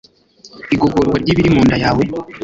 Igogorwa ryibiri munda yawe